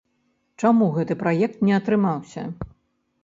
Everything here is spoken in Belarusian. Чаму гэты праект не атрымаўся?